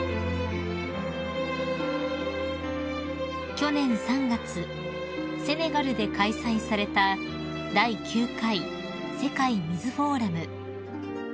［去年３月セネガルで開催された第９回世界水フォーラム］